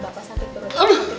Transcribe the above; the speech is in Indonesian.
bapak sakit berutang